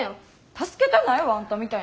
助けたないわあんたみたいなん。